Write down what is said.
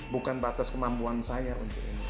bukan batas kemampuan saya untuk ini